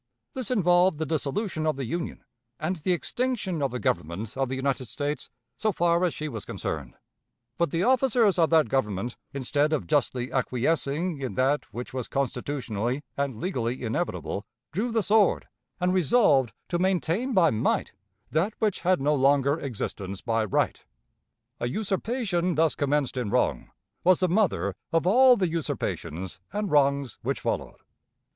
This involved the dissolution of the Union, and the extinction of the Government of the United States so far as she was concerned; but the officers of that Government, instead of justly acquiescing in that which was constitutionally and legally inevitable, drew the sword, and resolved to maintain by might that which had no longer existence by right. A usurpation thus commenced in wrong was the mother of all the usurpations and wrongs which followed.